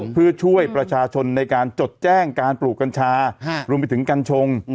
เพื่อช่วยประชาชนในการจดแจ้งการปลูกกัญชารวมไปถึงกัญชง